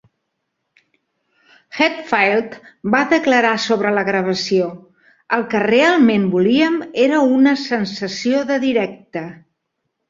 Hetfield va declarar sobre la gravació: El que realment volíem era una sensació de directe.